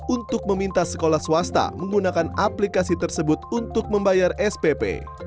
untuk meminta sekolah swasta menggunakan aplikasi tersebut untuk membayar spp